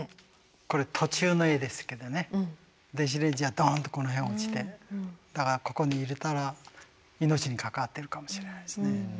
これ途中の絵ですけどね電子レンジはドンとこの辺へ落ちてだからここにいたら命に関わってるかもしれないですね。